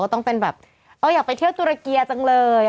ต้องเป็นแบบอยากไปเที่ยวตุรเกียจังเลย